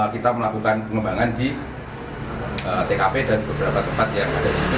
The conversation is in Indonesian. kita melakukan pengembangan di tkp dan beberapa tempat yang ada di sini